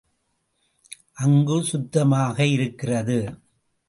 அங்குச் சுத்தமாக இருக்கிறது.